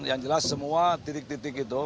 yang jelas semua titik titik itu